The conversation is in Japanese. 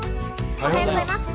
おはようございます。